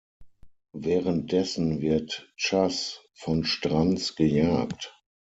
Währenddessen wird Chazz von Stranz gejagt.